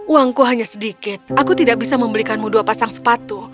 uangku hanya sedikit aku tidak bisa membelikanmu dua pasang sepatu